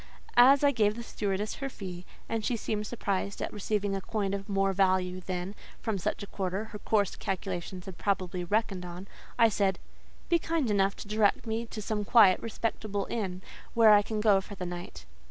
As I gave the stewardess her fee—and she seemed surprised at receiving a coin of more value than, from such a quarter, her coarse calculations had probably reckoned on—I said, "Be kind enough to direct me to some quiet, respectable inn, where I can go for the night."